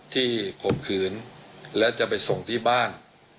ข่มขืนและจะไปส่งที่บ้าน